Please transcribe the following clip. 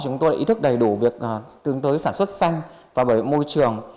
chúng tôi đã ý thức đầy đủ việc tương tới sản xuất xanh và môi trường